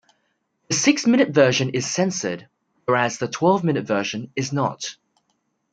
The six-minute version is censored, whereas the twelve-minute version is not.